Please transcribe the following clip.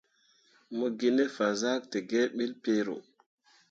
Mo gine fazahtǝgǝǝ ɓelle piro.